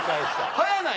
早ない？